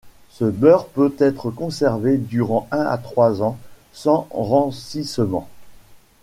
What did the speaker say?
Ce beurre peut être conservé durant un à trois ans sans rancissement.